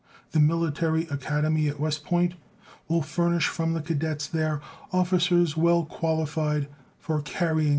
The Military Academy at West Point will furnish from the cadets there officers well qualified for carrying this measure into effect.